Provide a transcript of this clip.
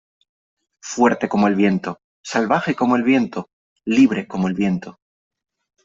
Fuerte como el viento. Salvaje como el viento. Libre como el viento.